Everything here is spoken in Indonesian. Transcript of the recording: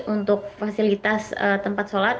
untuk fasilitas tempat sholat